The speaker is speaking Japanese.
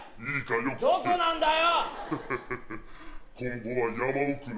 どこなんだよ！